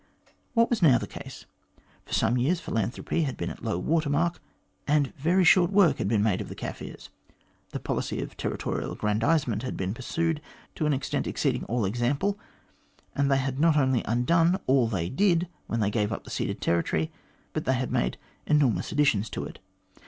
What was now the case ? For some years philanthropy had been at low water mark, and very short work had been made of the Kaffirs ; the policy of territorial aggrandisement had been pursued to an extent exceeding all example, and they had not only undone all they did when they gave up the ceded territory, but they had made enormous additions to it.